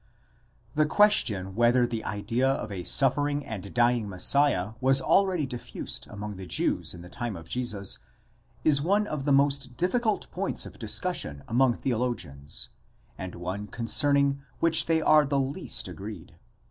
The question whether the idea of a suffering and dying Messiah was already diffused among the Jews in the time of Jesus, is one of the most difficult points of discussion among theologians, and one concerning which they are the least agreed.